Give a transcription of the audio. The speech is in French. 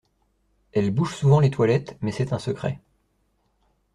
Elle bouche souvent les toilettes, mais c'est un secret.